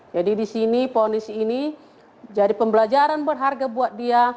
jadi di sini ponisi ini jadi pembelajaran berharga buat dia